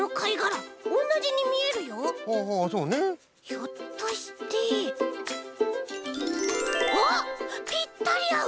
ひょっとしてあっぴったりあう！